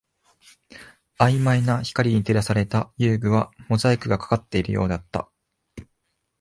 曖昧な光に照らされた遊具はモザイクがかかっているようだった